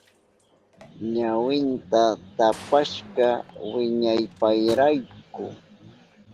Ñawinta tapashka wiñaypayrayku.